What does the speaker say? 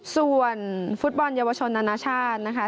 ส่วนฟุตบอลเยาวชนนานาชาตินะคะ